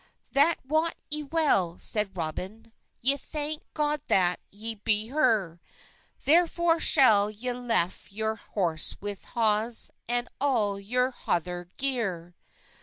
"That wot y well," seyde Roben, "Y thanke god that ye be her; Therfor schall ye leffe yowr horse with hos, And all your hother ger."